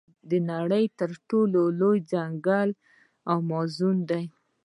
د نړۍ تر ټولو لوی ځنګل امازون دی.